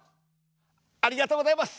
ありがとうございます！